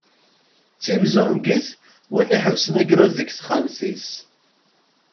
D timezzungit, win iḥebbsen agrud deg texxamt-is.